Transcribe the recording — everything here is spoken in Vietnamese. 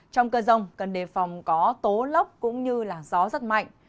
trong cơ rông cần đề phòng có tố lốc cũng như là gió rất mạnh